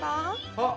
あっ！